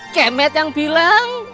kemet yang bilang